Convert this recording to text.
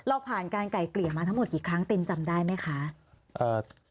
เราผ่านการไก่เกลี่ยมาทั้งหมดกี่ครั้งตินจำได้ไหมคะ